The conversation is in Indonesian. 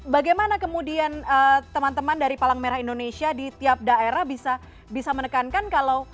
bagaimana kemudian teman teman dari palang merah indonesia di tiap daerah bisa menekankan kalau